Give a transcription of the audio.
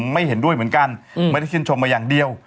ไม่เห็นด้วยเหมือนกันไม่ได้ชื่นชมมาอย่างเดียว